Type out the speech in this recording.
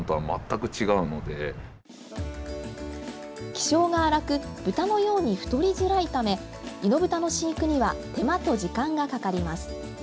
気性が荒く豚のように太りづらいため猪豚の飼育には手間と時間がかかります。